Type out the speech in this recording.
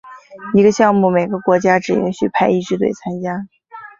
一个项目每个国家只允许派一支队参加。